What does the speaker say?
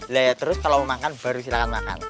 laya terus kalau mau makan baru silakan makan